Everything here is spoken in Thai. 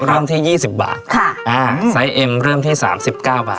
เริ่มที่ยี่สิบบาทค่ะอ่าไซส์เอ็มเริ่มที่สามสิบเก้าบาท